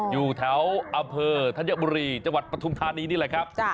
อยู่แถวอำเภอธัญบุรีจังหวัดปฐุมธานีนี่แหละครับ